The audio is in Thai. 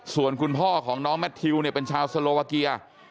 ส่วนคุณพ่อของน้องแมททิวเนี่ยเป็นชาวสโลวาเกีย